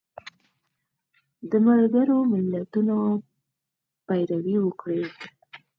د ملګرو ملتونو پیروي وکړي